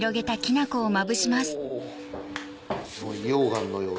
おすごい溶岩のようだ。